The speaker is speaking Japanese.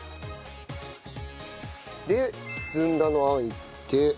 でずんだの餡いって。